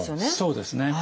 そうですね。